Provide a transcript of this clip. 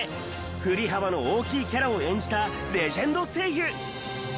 振り幅の大きいキャラを演じたレジェンド声優。